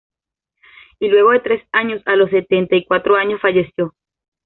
Y luego de tres años, a los setenta y cuatro años, falleció.